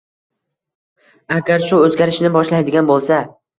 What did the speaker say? Agar shu oʻzgarishni boshlaydigan boʻlsa